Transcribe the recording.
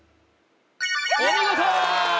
お見事！